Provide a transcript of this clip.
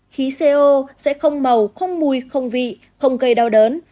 khí co sẽ không màu không mùi không vị không gây đau đớn